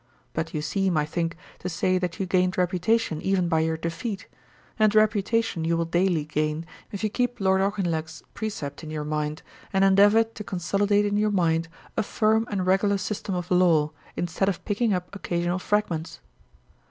But you seem, I think, to say that you gained reputation even by your defeat; and reputation you will daily gain, if you keep Lord Auchinleck's precept in your mind, and endeavour to consolidate in your mind a firm and regular system of law, instead of picking up occasional fragments.